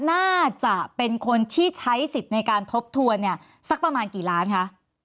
น่าจะเป็นคนที่ใช้สิทธิ์ในการทบทวนเนี่ยสักประมาณกี่ล้านคะ